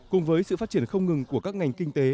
cùng với sự phát triển không ngừng của các ngành kinh tế